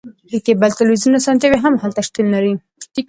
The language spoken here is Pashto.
د کیبل تلویزیون اسانتیا هم هلته شتون لري